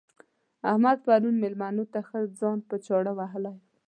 احمد پرون مېلمنو ته ښه ځان په چاړه وهلی وو.